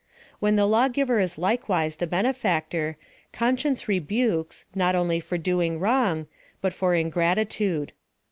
When the lawgiver is likewise the benefactor, conpcience rebukes, not only for wrong doing, but for ingrati tude.